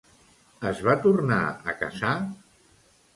Es va tornar a casar?